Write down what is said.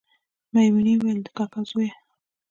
میمونې ویل د کاکا زویه